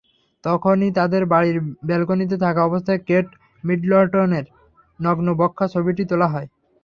তখনই তাঁদের বাড়ির ব্যালকনিতে থাকা অবস্থায় কেট মিডলটনের নগ্ন-বক্ষা ছবিটি তোলা হয়।